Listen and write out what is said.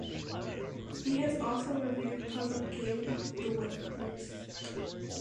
He has also reviewed puzzle game "The Witness".